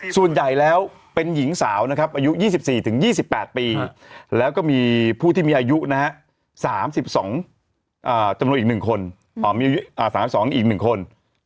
ส่วนใหญ่แล้วเป็นหญิงสาวอายุ๒๔๒๘ปีและก็มีผู้ที่มีอายุ๓๒อีก๑คน